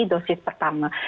dr nadia bagaimana dok